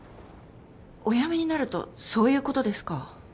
おやめになるとそういうことですか？